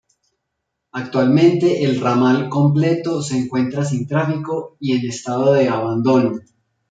Actualmente el ramal completo se encuentra sin tráfico y en estado de abandono.